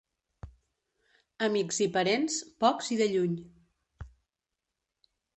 Amics i parents, pocs i de lluny.